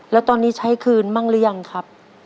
แล้วตอนนี้ใช้คืนบ้างหรือยังครับ